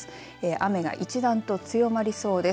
雨が一段と強まりそうです。